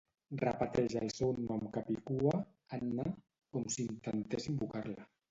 Repeteix el seu nom capicua, Anna, com si intentés invocar-la.